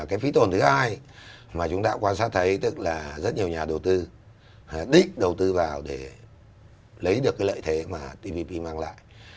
cái phí tồn thứ hai mà chúng ta quan sát thấy tức là rất nhiều nhà đầu tư đích đầu tư vào để lấy được cái lợi thế mà tvp mang lại